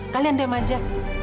kalian dem aja